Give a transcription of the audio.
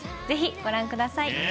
ぜひご覧ください。